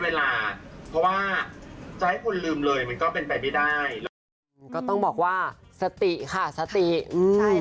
เพราะว่าเสียงก็ไม่ค่อยดีน่าจะเครียดพอสมควร